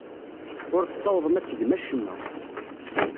Ur tessawḍem ad tgem acemma.